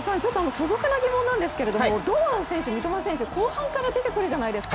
素朴な疑問なんですけども堂安選手、三笘選手後半から出てくるじゃないですか。